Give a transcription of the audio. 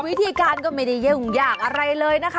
วิธีการก็ไม่ได้ยุ่งยากอะไรเลยนะคะ